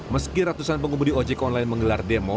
meski ratusan pengemudi ojek online menggelar demo